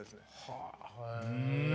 はあへえ！